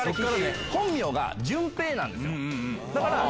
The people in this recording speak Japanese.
本名が淳平なんですよ。